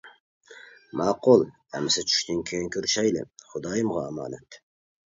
-ماقۇل ئەمىسە چۈشتىن كىيىن كۆرۈشەيلى، خۇدايىمغا ئامانەت.